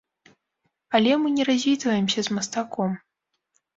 Але мы не развітваемся з мастаком.